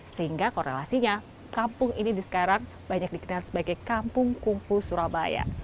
sehingga korelasinya kampung ini sekarang banyak dikenal sebagai kampung kungfu surabaya